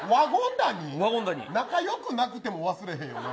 仲よくなくても忘れへんよな。